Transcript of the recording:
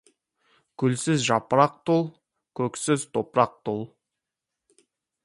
Гүлсіз жапырақ тұл, көксіз топырақ тұл.